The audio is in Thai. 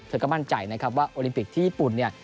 ก็มั่นใจนะครับว่าโอลิมปิกที่ญี่ปุ่นเนี่ย